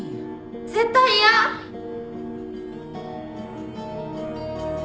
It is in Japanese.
絶対嫌っ！